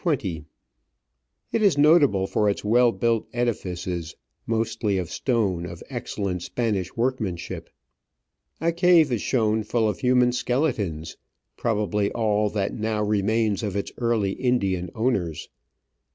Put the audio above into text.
It is notable for its well built edifices, mostly of stone of excellent Spanish workmanship. A cave is shown full of human skeletons, probably all that now re mains of its early Indian owners.